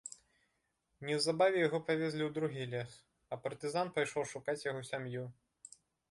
Неўзабаве яго павезлі ў другі лес, а партызан пайшоў шукаць яго сям'ю.